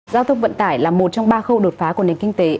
giao thông vận tải là một trong ba khâu đột phá của nền kinh tế